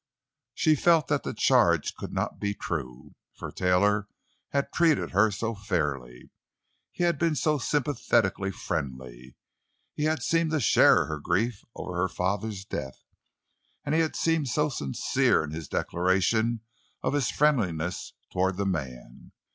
She felt that the charge could not be true; for Taylor had treated her so fairly; he had been so sympathetically friendly; he had seemed to share her grief over her father's death, and he had seemed so sincere in his declaration of his friendliness toward the man.